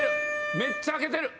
めっちゃ開けてる。